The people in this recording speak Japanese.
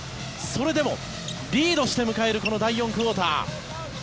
それでもリードして迎えるこの第４クオーター。